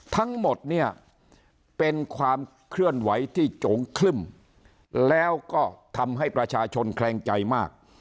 ทั้งหมดเนี่ยเป็นความเคลื่อนไหวที่โจงครึ่มแล้วก็ทำให้ประชาชนแคลงใจมาก